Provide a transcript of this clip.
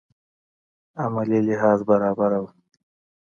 عملي لحاظ برابره وه.